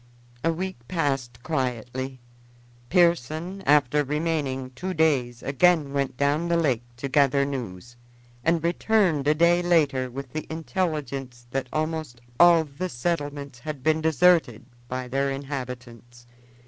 A week passed quietly. Pearson, after remaining two days, again went down the lake to gather news, and returned a day later with the intelligence that almost all the settlements had been deserted by their inhabitants.